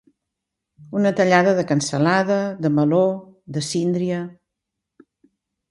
Una tallada de cansalada, de meló, de síndria.